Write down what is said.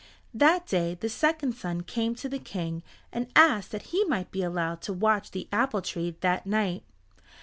That day the second son came to the King and asked that he might be allowed to watch the apple tree that night.